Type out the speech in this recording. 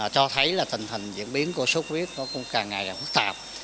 cho thấy là tình hình diễn biến của sốt huyết nó cũng càng ngày càng phức tạp